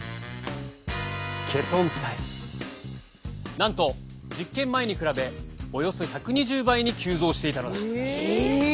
なんと実験前に比べおよそ１２０倍に急増していたのだ。